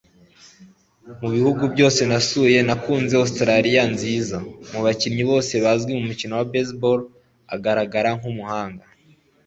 mu bihugu byose nasuye, nakunze australiya nziza. mu bakinnyi bose bazwi mu mukino wa baseball, agaragara nkumuhanga